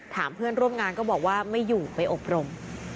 เพื่อนร่วมงานก็บอกว่าไม่อยู่ไปอบรม